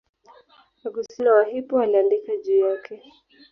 Augustino wa Hippo aliandika juu yake.